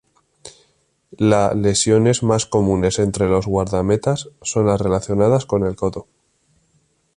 La lesiones más comunes entre los guardametas son las relacionadas con el codo.